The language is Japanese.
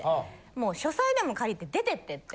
もう書斎でも借りて出てってって。